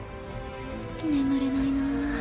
眠れないな。